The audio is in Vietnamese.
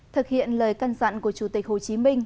thực hiện lời căn dặn của chủ tịch hồ chí minh